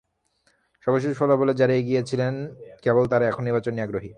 সর্বশেষ ফলাফলে যাঁরা এগিয়ে ছিলেন, কেবল তাঁরাই এখন নির্বাচন নিয়ে আগ্রহী।